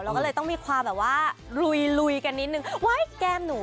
เราก็เลยต้องมีความแบบว่าลุยกันนิดนึงไว้แก้มหนู